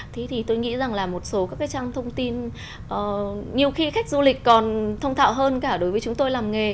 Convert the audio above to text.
thế thì tôi nghĩ rằng là một số các cái trang thông tin nhiều khi khách du lịch còn thông thạo hơn cả đối với chúng tôi làm nghề